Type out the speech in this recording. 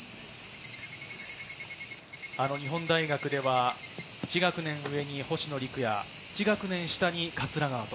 日本大学では１学年上に星野陸也、１学年下に桂川。